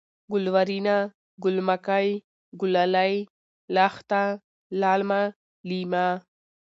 گلورينه ، گل مکۍ ، گلالۍ ، لښته ، للمه ، لېمه